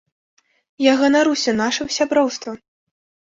Я ганаруся нашым сяброўствам.